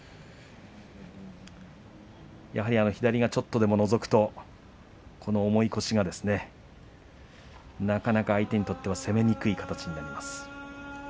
やはり左がちょっとでものぞくと、この重い腰がなかなか相手にとっては攻めにくい形になります。